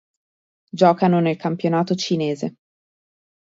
Giocano nel campionato cinese.